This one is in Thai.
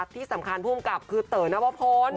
ที่สำคัญภูมิกับคือเต๋อนวพล